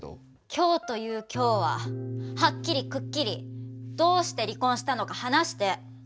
今日という今日ははっきりくっきりどうして離婚したのか話して。